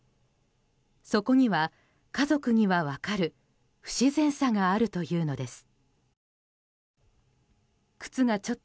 そこには家族には分かる不自然さがあるというのです。